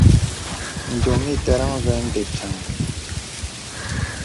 Ndōm iterəŋ və̀ mde piàŋha.